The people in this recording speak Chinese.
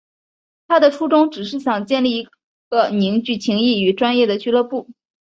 他的初衷只是想建立一个凝聚情谊与专业的俱乐部。